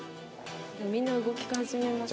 みんな動き始めますよね。